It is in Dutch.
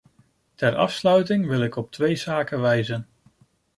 Ter afsluiting wil ik op twee zaken wijzen.